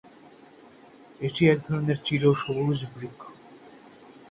এটি এক ধরনের চিরসবুজ বৃক্ষ।